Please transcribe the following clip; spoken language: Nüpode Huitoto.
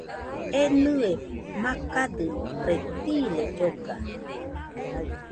Enɨe makadɨno, reptiles lloga